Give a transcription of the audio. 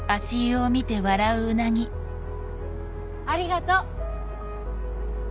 ありがとう！